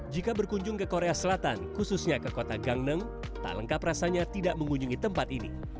jika berkunjung ke korea selatan khususnya ke kota gangneng tak lengkap rasanya tidak mengunjungi tempat ini